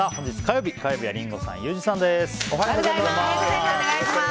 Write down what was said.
火曜日はリンゴさん、ユージさんです。